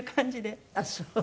ああそう。